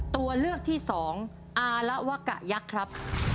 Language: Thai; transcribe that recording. ตัวเลือกที่สองอาละวะกะยักษ์ครับ